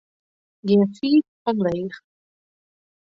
Gean fiif omleech.